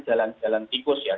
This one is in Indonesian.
jalan jalan tikus ya